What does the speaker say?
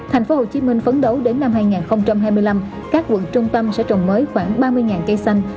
thành phố hồ chí minh phấn đấu đến năm hai nghìn hai mươi năm các quận trung tâm sẽ trồng mới khoảng ba mươi cây xanh